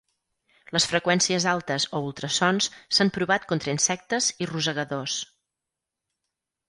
Les freqüències altes o ultrasons s'han provat contra insectes i rosegadors.